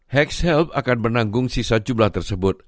hex help akan menanggung sisa jumlah tersebut